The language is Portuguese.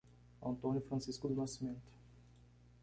Antônio Francisco do Nascimento